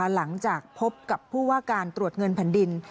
หลังจากพบกับผู้ว่าการตรวจเงินแผ่นดิน